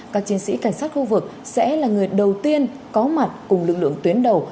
các chiến sĩ cảnh sát khu vực sẽ là người đầu tiên có mặt cùng lực lượng tuyến đầu